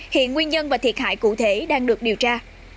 hiện nguyên nhân và thiệt hại cụ thể đang được điều tra